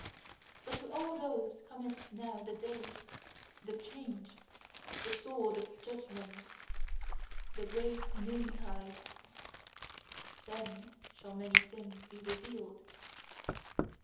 But to all those cometh now the day, the change, the sword of judgment, THE GREAT NOONTIDE: then shall many things be revealed!